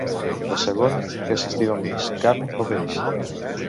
De segon què s'estima més, carn o peix?